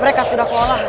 mereka sudah kewalahan